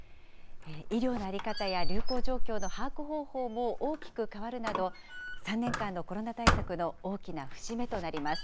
医療の在り方や流行状況の把握方法も大きく変わるなど、３年間のコロナ対策の大きな節目となります。